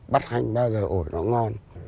bắt hanh ba giờ ổi nó ngon